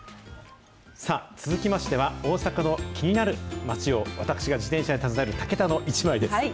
さあ、続きましては、大阪の気になる街を私が自転車で訪ねるタケタのイチマイです。